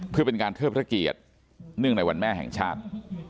เพื่อเป็นการเทิดพระเกียรติเนื่องในวันแม่แห่งชาติ